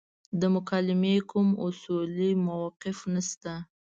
د مکالمې کوم اصولي موقف نشته.